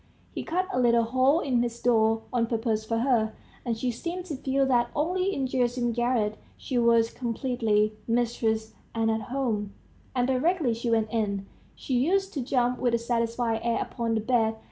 He cut a little hole in his door on purpose for her, and she seemed to feel that only in Gerasim's garret she was completely mistress and at home; and directly she went in, she used to jump with a satisfied air upon the bed.